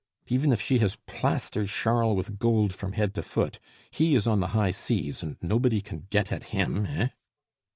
Even if she has plastered Charles with gold from head to foot, he is on the high seas, and nobody can get at him, hein!"